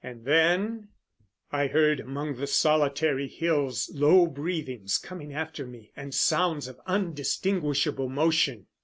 And then, I heard among the solitary hills Low breathings coming after me, and sounds Of undistinguishable motion.